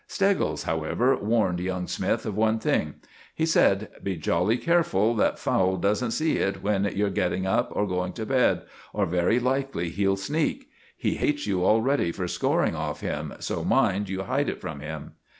Steggles, however, warned young Smythe of one thing. He said, "Be jolly careful that Fowle doesn't see it when you're getting up or going to bed, or very likely he'll sneak. He hates you already for scoring off him, so mind you hide it from him."